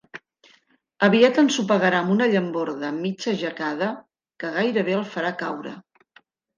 Aviat ensopegarà amb una llamborda mig aixecada que gairebé el farà caure.